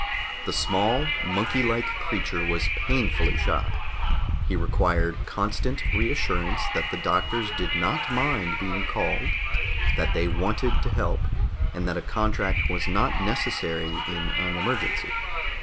The small, monkey like creature was painfully shy; he required constant reassurance that the doctors did not mind being called, that they wanted to help, and that a contract was not necessary in an emergency.